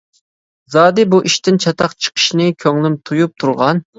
-زادى بۇ ئىشتىن چاتاق چىقىشىنى كۆڭلۈم تۇيۇپ تۇرغان.